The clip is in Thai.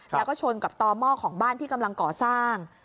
แล้วก็ชนกับต่อหม้อของบ้านที่กำลังก่อสร้าง